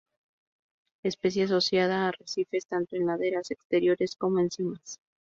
Especie asociada a arrecifes, tanto en laderas exteriores, como en simas.